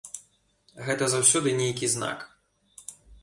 Гэта заўсёды нейкі знак.